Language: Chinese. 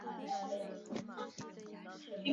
一般会用来作法国菜的头盘菜。